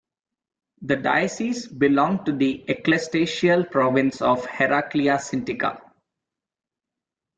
The diocese belonged to the ecclesiastical province of Heraclea Sintica.